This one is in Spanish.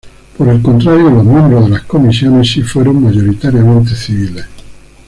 Por el contrario, los miembros de las comisiones sí fueron mayoritariamente civiles.